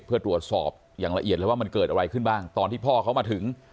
เพื่อตรวจสอบอย่างละเอียดเลยว่ามันเกิดอะไรขึ้นบ้างตอนที่พ่อเขามาถึง